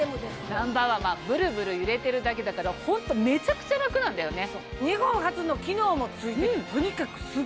ナンバーワンブルブル揺れてるだけだからホントめちゃくちゃラクなんだよね！